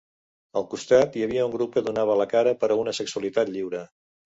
Al costat hi havia un grup que donava la cara per a una sexualitat lliure.